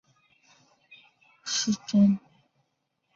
富尼兰迪亚是巴西米纳斯吉拉斯州的一个市镇。